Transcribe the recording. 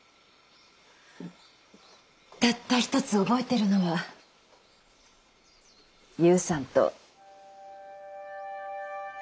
たった一つ覚えてるのは勇さんと。